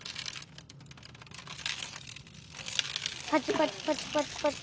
パチパチパチって。